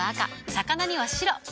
魚には白。